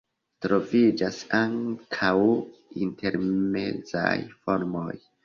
Troviĝas ankaŭ intermezaj formoj.